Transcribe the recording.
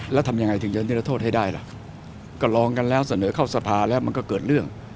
แล้วทำยังไงถึงจะนิรโทษให้ได้ล่ะก็ลองกันแล้วเสนอเข้าสภาแล้วมันก็เกิดเรื่อง